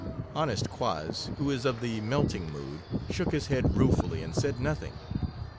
Ho nest Quoz, who is of the melting mood, shook his head ruefully, and said nothing.